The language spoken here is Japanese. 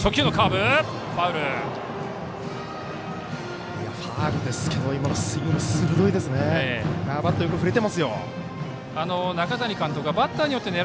ファウルですけど今のスイング鋭いですね。